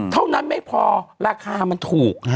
เท่านั้นไม่พอราคามันถูก